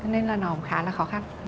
nên là nó cũng khá là khó khăn